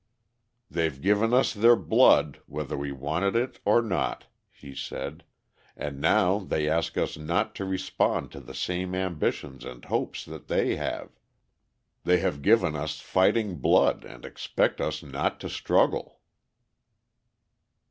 "They've given us their blood, whether we wanted it or not," he said, "and now they ask us not to respond to the same ambitions and hopes that they have. They have given us fighting blood and expect us not to struggle."